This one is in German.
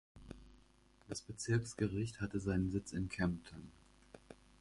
Das Bezirksgericht hatte seinen Sitz in Kempten.